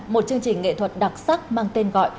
một chương trình nghệ thuật đặc sắc mang tên gọi